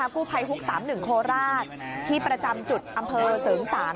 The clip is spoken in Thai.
กู้ภัยฮุก๓๑โคราชที่ประจำจุดอำเภอเสริงสาง